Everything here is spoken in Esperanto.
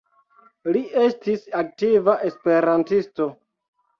Li estis aktiva esperantisto.